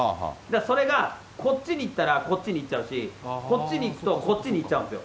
それが、こっちに行ったら、こっちに行っちゃうし、こっちに行くとこっちに行っちゃうんですよ。